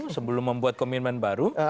sebelum membuat komitmen baru